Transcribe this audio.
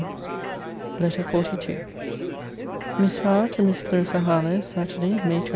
LETTER XLII MISS HOWE, TO MISS CLARISSA HARLOWE SATURDAY, MAY 20.